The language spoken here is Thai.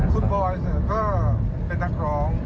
คุณบอยก็เป็นนักร้อง